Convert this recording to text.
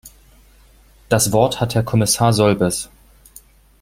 Das Wort hat Herr Kommissar Solbes.